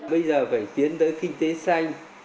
bây giờ phải tiến tới kinh tế xanh